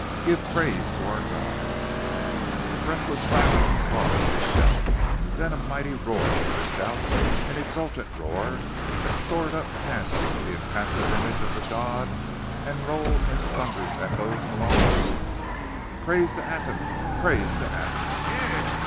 Give praise to our God!" A breathless silence swallowed his shout. Then a mighty roar burst out, an exultant roar that soared up past the impassive image of the god and rolled in thunderous echoes along the roof. "Praise to Aten! Praise to Aten!"